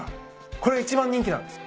これ一番人気なんですか？